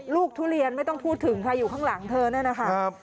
ลูกทุเรียนไม่ต้องพูดถึงใครอยู่ข้างหลังเธอนะครับ